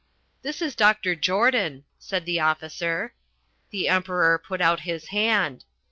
'This is Dr. Jordan,' said the officer. The Emperor put out his hand.